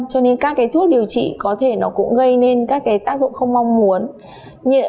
cho nên các thuốc điều trị có thể nó cũng gây nên các tác dụng không mong muốn